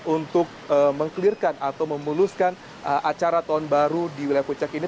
untuk meng clearkan atau memuluskan acara tahun baru di wilayah puncak ini